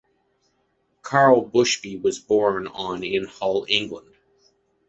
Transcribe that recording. Karl Bushby was born on in Hull, England.